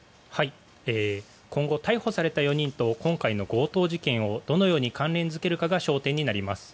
今後、逮捕された４人と今回の強盗事件をどのように関連付けるかが焦点になります。